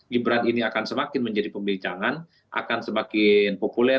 gibran ini akan semakin menjadi pembicangan akan semakin populer